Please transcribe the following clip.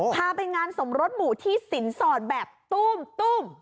พาไปงานสมรสหมู่ที่สินสอดแบบตุ้ม